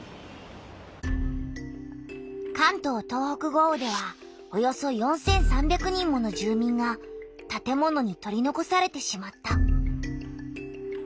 関東・東北豪雨ではおよそ４３００人もの住みんがたて物に取りのこされてしまった。